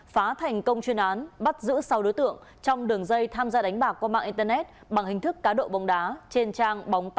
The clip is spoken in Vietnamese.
phá thành công chuyên án bắt giữ sáu đối tượng trong đường dây tham gia đánh bạc qua mạng internet bằng hình thức cá độ bóng đá trên trang bóng tám mươi tám